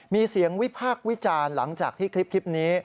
มีเสียงวิพากษ์วิจารณ์หลังจากที่คลิปนี้